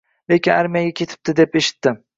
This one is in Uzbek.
Keyin armiyaga ketibdi, deb eshitdi.